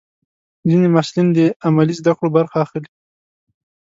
ځینې محصلین د عملي زده کړو برخه اخلي.